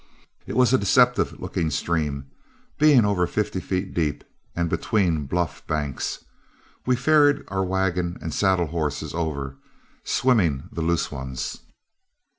It was a deceptive looking stream, being over fifty feet deep and between bluff banks. We ferried our wagon and saddle horses over, swimming the loose ones.